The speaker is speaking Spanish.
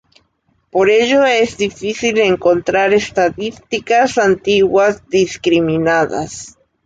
Por ello, es difícil encontrar estadísticas antiguas discriminadas.